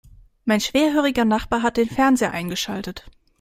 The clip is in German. Mein schwerhöriger Nachbar hat den Fernseher eingeschaltet.